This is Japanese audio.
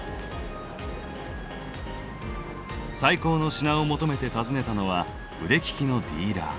最高の品を求めて訪ねたのは腕利きのディーラー。